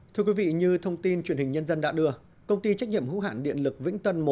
thưa quý vị như thông tin truyền hình nhân dân đã đưa công ty trách nhiệm hữu hạn điện lực vĩnh tân một